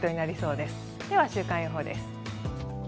では、週間予報です。